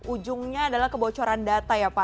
ujungnya adalah kebocoran data